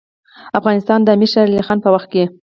افغانستان د امیر شیرعلي خان په وخت کې.